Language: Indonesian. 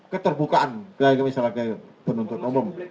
keterbukaan misalnya ke penuntut umum